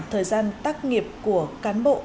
thời gian tắc nghiệp của cán bộ